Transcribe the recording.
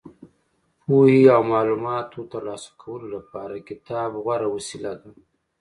پوهې او معلوماتو ترلاسه کولو لپاره کتاب غوره وسیله ده.